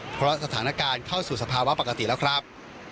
เพราะสถานการณ์เข้าสู่สภาวะปกติแล้วครับ